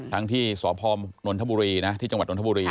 ที่สพนนทบุรีนะที่จังหวัดนทบุรี